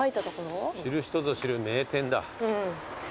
知る人ぞ知る名店だ。